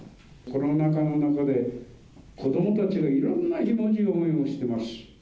コロナ禍の中で、子どもたちがいろんなひもじい思いをしてます。